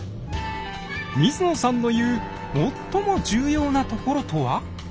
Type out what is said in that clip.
水野さんの言う「最も重要なところ」とは？